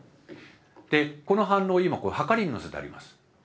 でこの反応今はかりに載せてあります。